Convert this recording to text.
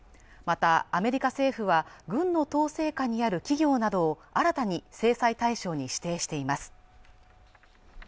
またアメリカ政府は軍の統制下にある企業などを新たに制裁対象に指定しています